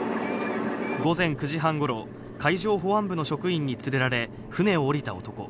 午前９時半頃、海上保安部の職員に連れられ、船を降りた男。